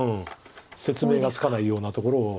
説明がつかないようなところを。